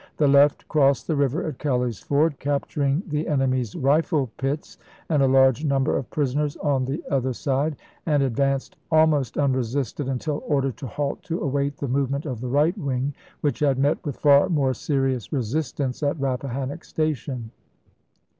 The left crossed the river at Kelly's Ford, captur ing the enemy's rifle pits and a large number of prisoners on the other side, and advanced, almost unresisted, until ordered to halt to await the move ment of the right wing, which had met with far more serious resistance at Rappahannock Station.